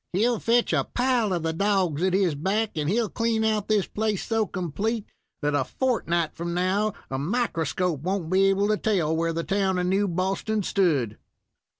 He'll fetch a pile of the dogs at his back, and he'll clean out this place so complete that a fortnight from now a microscope won't be able to tell where the town of New Boston stood."